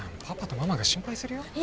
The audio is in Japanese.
パパとママが心配するよ。